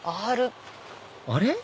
あれ？